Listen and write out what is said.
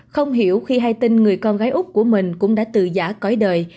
không hiểu khi hai tinh người con gái úc của mình cũng đã tự giả cõi đời